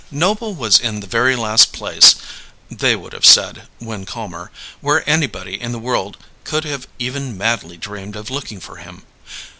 Noble was in the very last place (they would have said, when calmer) where anybody in the world could have even madly dreamed of looking for him!